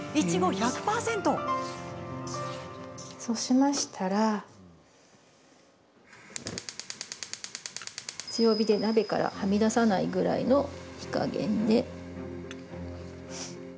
そうしましたら強火で鍋からはみ出さないぐらいの火加減で。